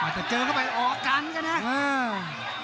มันจะเจอเข้าไปออกกันก็แล้ว